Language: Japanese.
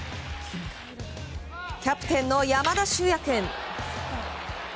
キャプテンの山田脩也君。